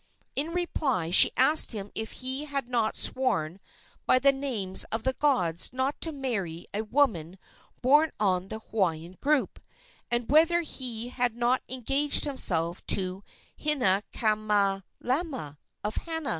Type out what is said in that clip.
In reply she asked him if he had not sworn by the names of his gods not to marry a woman born on the Hawaiian group, and whether he had not engaged himself to Hinaikamalama, of Hana.